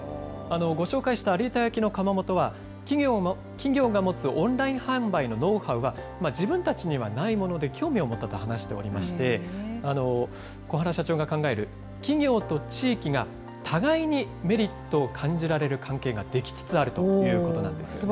ご紹介した有田焼の窯元は、企業が持つオンライン販売のノウハウは、自分たちにはないもので興味を持ったと話しておりまして、小原社長が考える企業と地域が互いにメリットを感じられる関係が出来つつあるということなんですね。